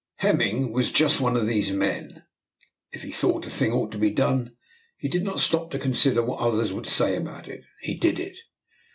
Hemming was just one of these men. If he thought a thing ought to be done, he did not stop to consider what others would say about it, he did it.